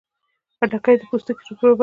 خټکی د پوستکي رطوبت ساتي.